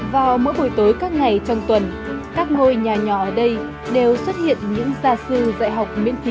vào mỗi buổi tối các ngày trong tuần các ngôi nhà nhỏ ở đây đều xuất hiện những gia sư dạy học miễn phí